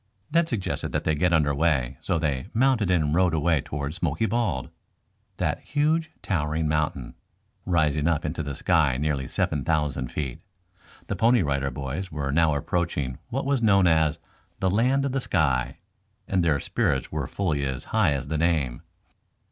Ned suggested that they get under way, so they mounted and rode away towards Smoky Bald, that huge towering mountain, rising up into the sky nearly seven thousand feet. The Pony Rider Boys were now approaching what was known as "The Land of the Sky," and their spirits were fully as high as the name.